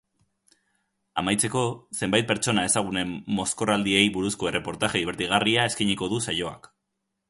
Amaitzeko, zenbait pertsona ezagunen mozkorraldiei buruzko erreportaje dibertigarria eskainiko du saioak.